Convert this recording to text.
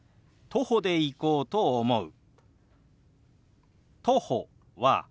「徒歩で行こうと思う」。